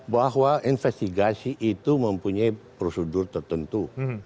bahwa investigasi itu mempunyai prosedur tertentu